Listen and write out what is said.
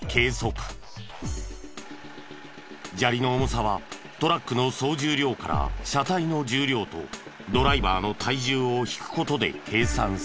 砂利の重さはトラックの総重量から車体の重量とドライバーの体重を引く事で計算する。